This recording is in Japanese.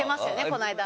この間。